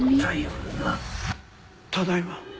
ただいま。